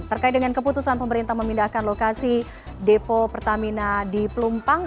terkait dengan keputusan pemerintah memindahkan lokasi depo pertamina di pelumpang